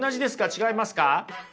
違いますか？